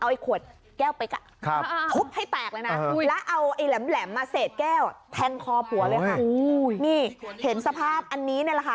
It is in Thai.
เอาไอขวดแก้วเป๊กอ่ะทุบให้แตกเลยนะแล้วเอาไอ้แหลมมาเศษแก้วแทงคอผัวเลยค่ะนี่เห็นสภาพอันนี้เนี่ยแหละค่ะ